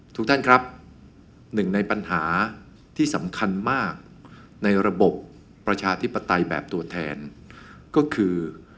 ถูกท่านครับหนึ่งในปัญหาที่สำคัญมากแบบตัวแตนก็คือ